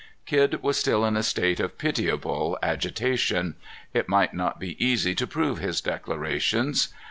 Kidd was still in a state of pitiable agitation. It might not be easy to prove his declarations.